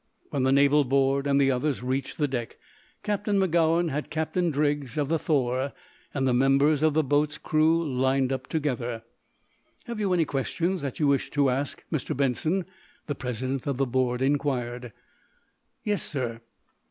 When the naval board and the others reached the deck Captain Magowan had Captain Driggs, of the "Thor," and the members of the boat's crew lined up together. "Have you any questions that you wish to ask, Mr. Benson?" the president of the board inquired. "Yes, sir.